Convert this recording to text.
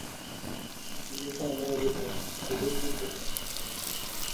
pi mikeyo ne onge kuondego duto